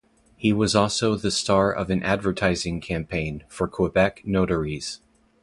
He was also the star of an advertising campaign for Quebec notaries.